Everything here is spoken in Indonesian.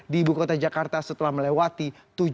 di ibu kota jakarta setelah melewati